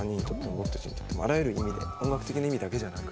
あらゆる意味で音楽的な意味だけじゃなく。